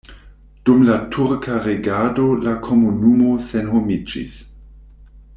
Dum la turka regado la komunumo senhomiĝis.